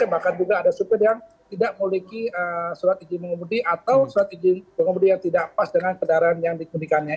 bahkan juga ada suku sukunya yang tidak memiliki surat izin mengumumdi atau surat izin mengumumdi yang tidak pas dengan keadaan yang dikunikannya